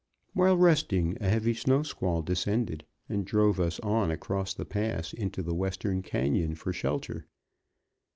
While resting, a heavy snow squall descended, and drove us on across the pass into the western canyon for shelter.